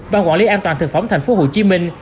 ban quản lý an toàn thực phẩm thành phố hồ chí minh